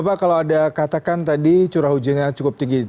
bapak kalau anda katakan tadi curah hujannya cukup tinggi